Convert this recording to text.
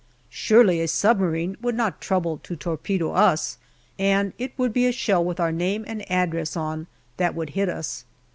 Surely a submarine would not trouble to torpedo us, and it would be a shell with our name and address on that would hit us.